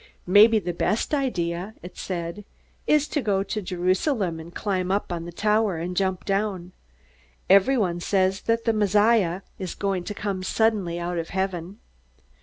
"Maybe the best idea," it said, "_is to go to Jerusalem and climb up on the tower and jump down! Everyone says that the Messiah is going to come suddenly out of heaven.